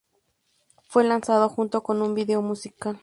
Fue lanzado junto con un video musical.